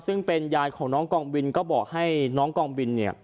ซึ่งเป็นยายของน้องกองบินก็บอกให้น้องกองบิน